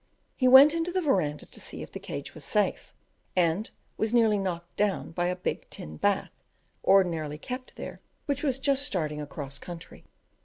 He went into the verandah to see if the cage was safe, and was nearly knocked down by a big tin bath, ordinarily kept there, which was just starting across country.